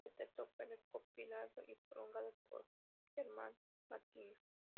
Este texto fue recopilado y prologado por Germán Patiño.